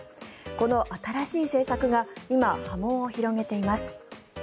この新しい政策が今、波紋を広げています。